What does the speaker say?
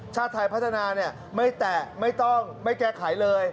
ชาติไทยพัฒนาไม่แตะไม่ต้องไม่แก้ไขเลย